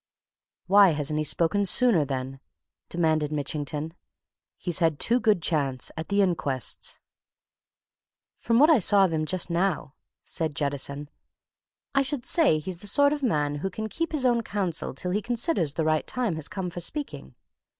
"Why hasn't he spoken sooner, then?" demanded Mitchington. "He's had two good chances at the inquests." "From what I saw of him, just now," said Jettison, "I should say he's the sort of man who can keep his own counsel till he considers the right time has come for speaking.